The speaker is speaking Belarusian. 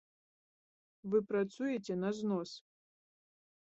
Вы працуеце на знос.